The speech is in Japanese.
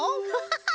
ハハハ！